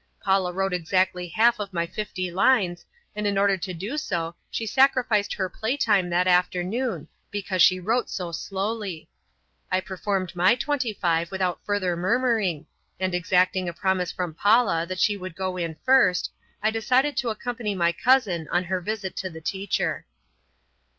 Paula wrote exactly half of my fifty lines, and in order to do so she sacrificed her playtime that afternoon because she wrote so slowly. I performed my twenty five without further murmuring, and, exacting a promise from Paula that she would go in first, I decided to accompany my cousin on her visit to the teacher.